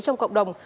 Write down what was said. trong cộng đồng